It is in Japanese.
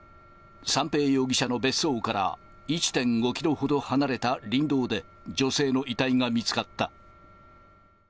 三瓶容疑者の別荘から１．５キロほど離れた林道で、女性の遺体が見つかった。